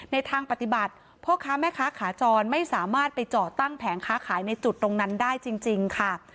ในทางปฏิบัติพ่อค้าแม่ค้าขาจรไม่สามารถไปเจาะตั้งแผงค้าขายในจุดตรงนั้นได้จริงค่ะ